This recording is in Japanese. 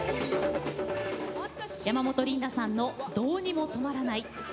山本リンダさんの「どうにもとまらない」。